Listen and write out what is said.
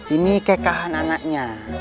ini kekahan anaknya